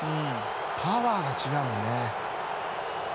パワーが違うよね。